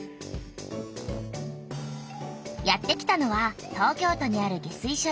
やってきたのは東京都にある下水しょ